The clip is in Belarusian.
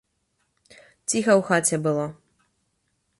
Ціха ў хаце было.